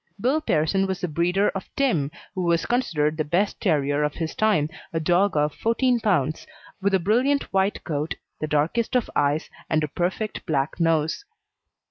Bill Pearson was the breeder of Tim, who was considered the best terrier of his time, a dog of 14 lb., with a brilliant white coat, the darkest of eyes, and a perfect black nose.